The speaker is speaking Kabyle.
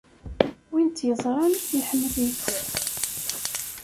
Win tt-yeẓran, iḥemmel-itt.